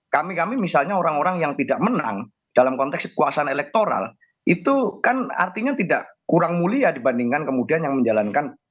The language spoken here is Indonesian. kami kami misalnya orang orang yang tidak menang dalam konteks kekuasaan elektoral itu kan artinya tidak kurang mulia dibandingkan kemudian yang menjalankan